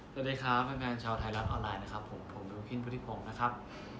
สวัสดีครับแฟนชาวไทยรัฐออนไลน์นะครับผมผมดูพินพุทธิพงศ์นะครับ